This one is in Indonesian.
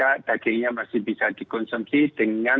sehingga dagingnya masih bisa dikonsumsi dengan